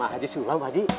pak haji sulam pak haji